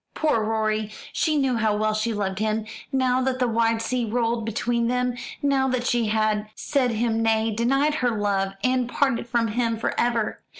Poor Rorie! She knew how well she loved him, now that the wide sea rolled between them, now that she had said him nay, denied her love, and parted from him for ever.